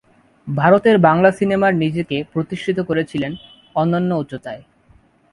ভারতের বাংলা সিনেমার নিজেকে প্রতিষ্ঠিত করেছিলেন অনন্য উচ্চতায়।